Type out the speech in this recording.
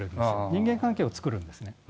人間関係を作るんですね。